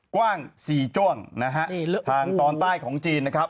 กว้าง๔จ้วงนะฮะทางตอนใต้ของจีนนะครับ